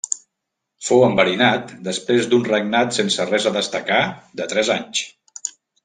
Fou enverinat després d'un regnat sense res a destacar de tres anys.